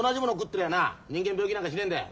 てりゃな人間病気なんかしねえんだよ。